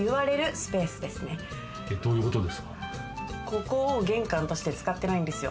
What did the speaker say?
ここを玄関として使ってないんですよ。